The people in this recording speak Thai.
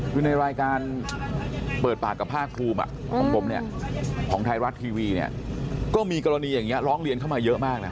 คือในรายการเปิดปากกับภาคภูมิของผมเนี่ยของไทยรัฐทีวีเนี่ยก็มีกรณีอย่างนี้ร้องเรียนเข้ามาเยอะมากนะ